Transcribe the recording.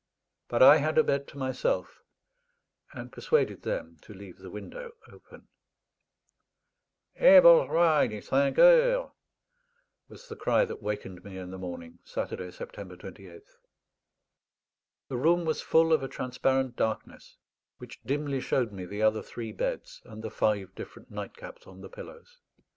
But I had a bed to myself, and persuaded them to leave the window open. "Hé, bourgeois; il est cinq heures!" was the cry that wakened me in the morning (Saturday, September 28th). The room was full of a transparent darkness, which dimly showed me the other three beds and the five different nightcaps on the pillows.